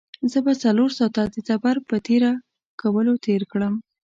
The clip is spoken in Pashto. زه به څلور ساعته د تبر په تېره کولو تېر کړم.